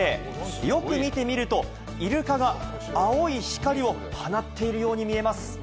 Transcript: よく見てみるとイルカが青い光を放っているように見えます。